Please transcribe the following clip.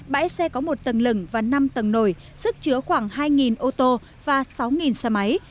bãi xe có một tầng lừng và năm tầng nổi sức chứa khoảng hai ô tô và sáu xe máy